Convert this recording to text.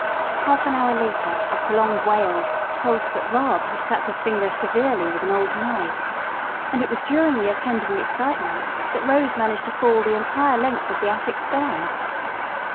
Half an hour later a prolonged wail told that Rob had cut his finger severely with an old knife; and it was during the attendant excitement that Rose managed to fall the entire length of the attic stairs.